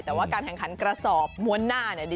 แต่ว่าการแข่งขันกระสอบม้วนหน้าเนี่ย